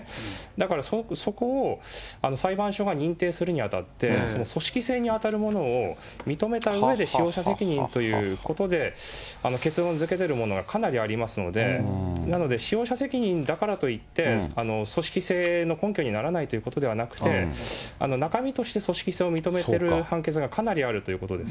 だからそこを、裁判所が認定するにあたって、組織性に当たるものを認めたうえで、使用者責任ということで結論づけれるものがかなりありますので、なので使用者責任だからといって、組織性の根拠にならないということではなくて、中身として組織性を認めている判決がかなりあるということです。